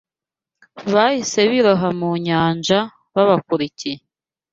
Bahise biroha mu nyanja babakurikiye